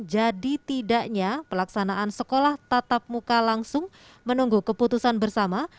jadi tidaknya pelaksanaan sekolah tatap muka langsung menunggu keputusan bersama